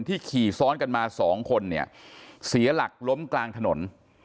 ขี่ซ้อนกันมาสองคนเนี่ยเสียหลักล้มกลางถนน